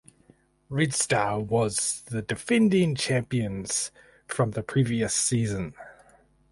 Red Star was the defending champions from the previous season.